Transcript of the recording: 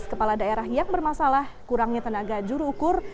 kepala daerah yang bermasalah kurangnya tenaga juru ukur